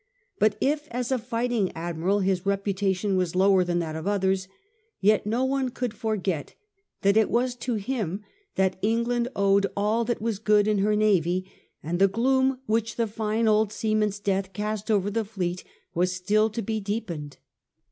But if as a fighting admiral his reputation was lower than that of others, yet no one could forget that it was to him that England owed all that was good in her navy, and the gloom which the fine old seaman's death cast over the fleet was still to be deepened.